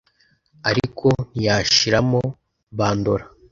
ariko ntiyashyiramo Bandora